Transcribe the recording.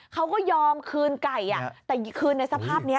เขาก็ยอมคืนไก่แต่คืนในสภาพนี้